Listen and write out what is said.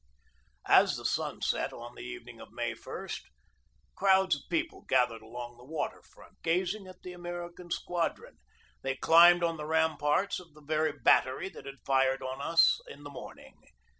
As the sun set on the evening of May i, crowds of people gathered along the water front, gazing at the American squadron. They climbed on the ram parts of the very battery that had fired on us in the morning.